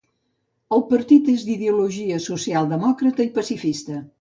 El partit és d'ideologia socialdemòcrata i pacifista.